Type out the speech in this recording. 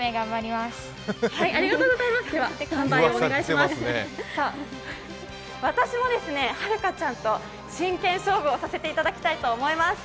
では私も永佳ちゃんと真剣勝負をさせていただきたいと思います。